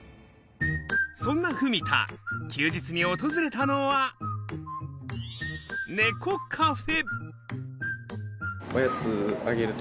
そんな文田、休日に訪れたのは、猫カフェ。